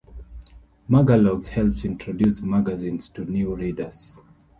Magalogs help introduce magazines to new readers.